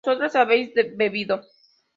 vosotras habéis bebido